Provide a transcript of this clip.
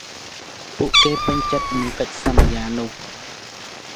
ពួកគេពេញចិត្តនឹងកិច្ចសន្យានោះ។